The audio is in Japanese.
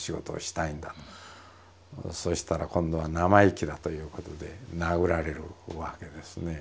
そしたら今度は生意気だということで殴られるわけですね。